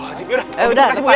ayo beri kasih bu ya